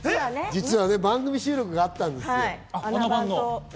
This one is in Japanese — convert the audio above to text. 番組収録があったんです。